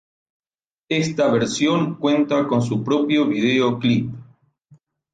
Esta versión cuenta con su propio videoclip.